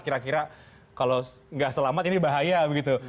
kira kira kalau nggak selamat ini bahaya begitu